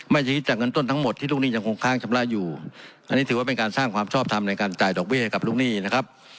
จะยึดจากเงินต้นทั้งหมดที่ลูกหนี้ยังคงค้างชำระอยู่อันนี้ถือว่าเป็นการสร้างความชอบทำในการจ่ายดอกเบี้ยให้กับลูกหนี้นะครับ